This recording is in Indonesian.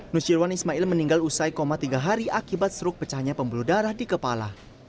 nusyirwan ismail meninggal usai koma tiga hari akibat seruk pecahnya pembuluh darah di kepala